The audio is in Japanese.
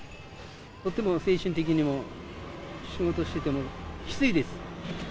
とても精神的にも、仕事しててもきついです。